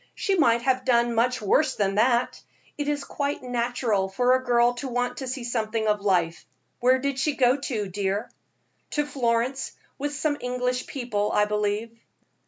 "She might have done much worse than that. It is quite natural for a girl to want to see something of life. Where did she go to, dear?" "To Florence, with some English people, I believe."